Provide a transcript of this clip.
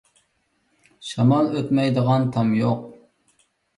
شامال ئۆتمەيدىغان تام يوق.